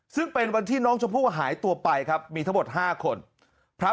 ซึ่งเป็นวันที่น้องชมพู่หายตัวไปครับมีทั้งหมด๕คนพระ